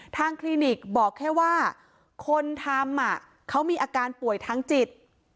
คลินิกบอกแค่ว่าคนทำเขามีอาการป่วยทางจิต